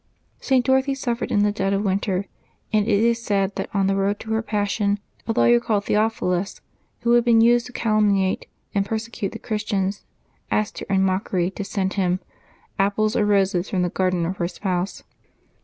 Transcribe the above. St. Dorothy suffered in the dead of winter, and it is said that on the road to her passion a lawyer called Theophilus, who had been used to calumniate and persecute the Chris tians, asked her, in mockery, to send him *^ apples or roses from the garden of her Spouse."